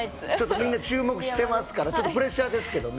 みんな注目してますからプレッシャーですけどね。